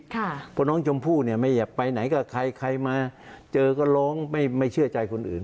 เพราะน้องชมพู่เนี่ยไม่อยากไปไหนกับใครใครมาเจอก็ร้องไม่เชื่อใจคนอื่น